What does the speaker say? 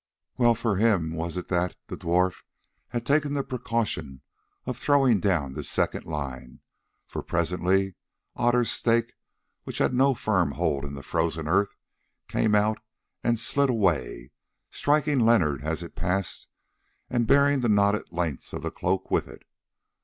Well for him was it that the dwarf had taken the precaution of throwing down this second line, for presently Otter's stake, which had no firm hold in the frozen earth, came out and slid away, striking Leonard as it passed and bearing the knotted lengths of the cloak with it.